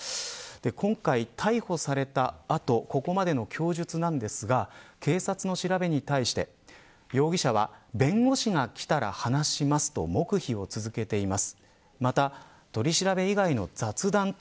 今回、逮捕された後ここまでの供述なんですが警察の調べに対して容疑者は弁護士が来たら話しますと黙秘を続けています。